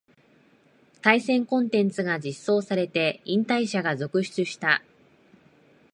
対戦コンテンツが実装されて引退者が続出した